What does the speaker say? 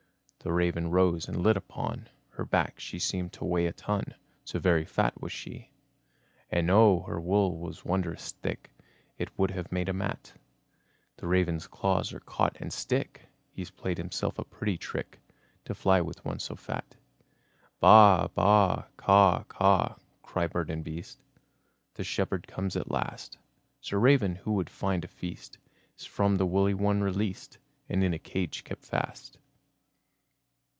The Raven rose, and lit upon Her back. She seemed to weigh a ton So very fat was she. And, oh! Her wool was wondrous thick: It would have made a mat. The Raven's claws are caught, and stick! He's played himself a pretty trick To fly with one so fat. "Ba, ba!" "Caw, caw!" cry bird and beast. The shepherd comes at last: Sir Raven who would find a feast Is from the woolly one released, And in a cage kept fast.